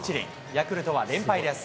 ヤクルトは連敗です。